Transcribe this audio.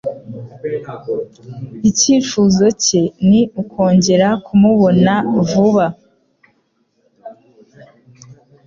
Icyifuzo cye ni ukongera kumubona vuba.